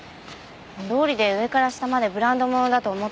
どうりで上から下までブランド物だと思った。